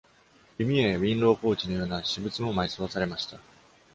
弓矢やビンロウポーチのような私物も埋葬されました。